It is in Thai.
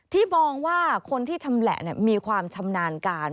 มองว่าคนที่ชำแหละมีความชำนาญการ